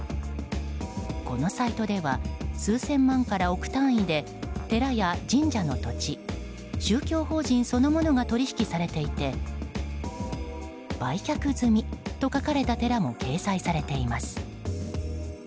このサイトでは数千万から億単位で寺や神社の土地宗教法人そのものが取引されていて売却済みと書かれた寺も掲載されています。